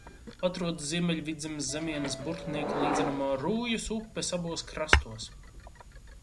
Atrodas Ziemeļvidzemes zemienes Burtnieka līdzenumā, Rūjas upes abos krastos.